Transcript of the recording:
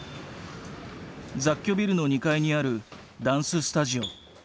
雑居ビルの２階にあるダンススタジオ。